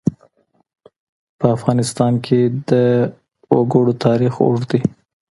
په افغانستان کې د وګړي تاریخ اوږد دی.